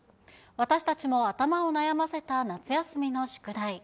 私たちも頭を悩ませた夏休みの宿題。